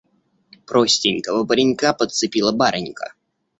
Простенького паренька подцепила барынька.